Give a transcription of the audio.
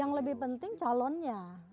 yang lebih penting calonnya